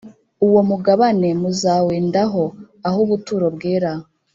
Uwo mugabane muzawendaho ah ubuturo bwera